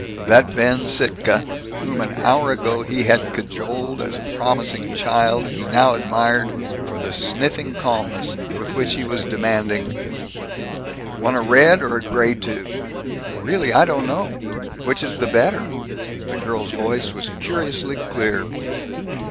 That Ben Sittka whom an hour ago he had cajoled as a promising child he now admired for the sniffing calmness with which he was demanding, "Want a red or gray tube?" "Really, I don't know. Which is the better?" The girl's voice was curiously clear.